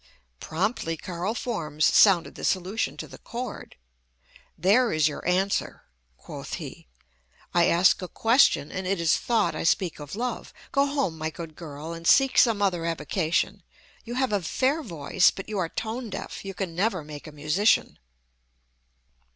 Promptly Karl Formes sounded the solution to the chord. "There is your answer," quoth he. "I ask a question, and it is thought I speak of love. Go home, my good girl, and seek some other avocation. You have a fair voice, but you are tone deaf. You can never make a musician."